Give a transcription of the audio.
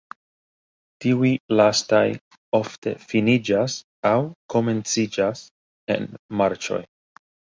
Tiuj lastaj ofte finiĝas aŭ komenciĝas en marĉoj.